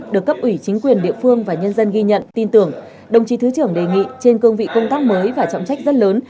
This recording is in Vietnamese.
được cấp ủy chính quyền địa phương và nhân dân ghi nhận tin tưởng đồng chí thứ trưởng đề nghị trên cương vị công tác mới và trọng trách rất lớn